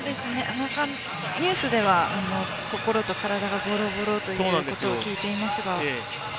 ニュースでは心と体がぼろぼろだということを聞いていますが。